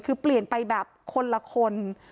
คือเปลี่ยนไปแบบคนละคน